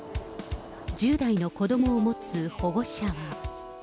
１０代の子どもを持つ保護者は。